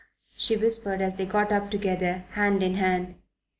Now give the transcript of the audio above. she whispered, as they got up together, hand in hand.